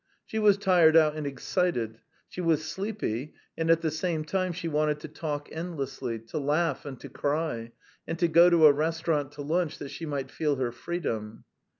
She was tired out and excited. She was sleepy, and at the same time she wanted to talk endlessly, to laugh and to cry, and to go to a restaurant to lunch that she might feel her freedom.